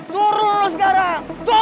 turun lo sekarang turun